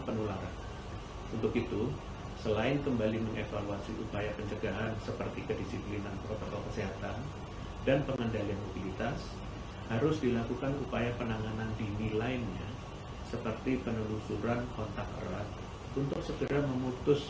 termasuk untuk warga negaranya yang sedang berada di luar negeri demi mengantisipasi penularan omikron